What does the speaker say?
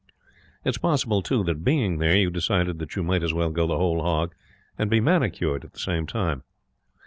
It is possible, too, that, being there, you decided that you might as well go the whole hog and be manicured at the same time.